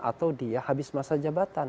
atau dia habis masa jabatan